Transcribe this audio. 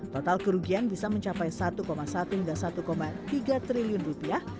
total kerugian bisa mencapai satu satu hingga satu tiga triliun rupiah